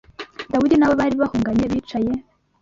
Dawidi n’abo bari bahunganye bicaye